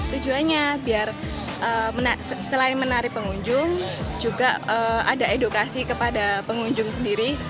tujuannya biar selain menarik pengunjung juga ada edukasi kepada pengunjung sendiri